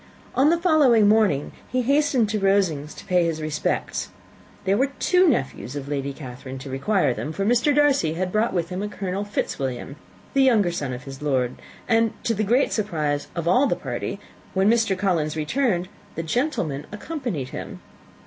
On the following morning he hastened to Rosings to pay his respects. There were two nephews of Lady Catherine to require them, for Mr. Darcy had brought with him a Colonel Fitzwilliam, the younger son of his uncle, Lord ; and, to the great surprise of all the party, when Mr. Collins returned, the gentlemen accompanied him.